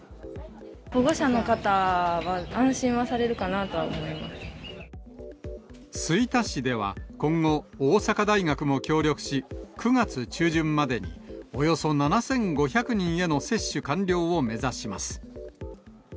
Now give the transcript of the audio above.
保護者の方は安心はされるか吹田市では今後、大阪大学も協力し、９月中旬までに、およそ７５００人への接種完了を目指します。